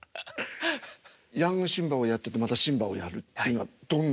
ヤングシンバをやっててまたシンバをやるっていうのはどんな。